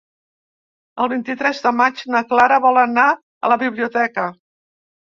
El vint-i-tres de maig na Clara vol anar a la biblioteca.